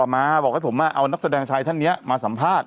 มาบอกให้ผมมาเอานักแสดงชายท่านนี้มาสัมภาษณ